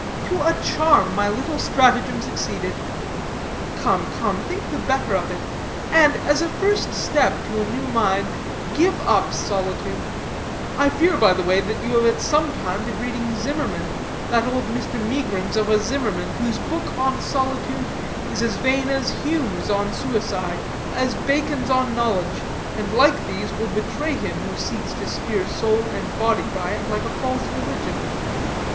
To a charm, my little stratagem succeeded. Come, come, think better of it, and, as a first step to a new mind, give up solitude. I fear, by the way, you have at some time been reading Zimmermann, that old Mr. Megrims of a Zimmermann, whose book on Solitude is as vain as Hume's on Suicide, as Bacon's on Knowledge; and, like these, will betray him who seeks to steer soul and body by it, like a false religion.